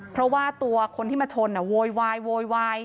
เพราะว่าตัวคนที่มาชนโวยวายโวยวาย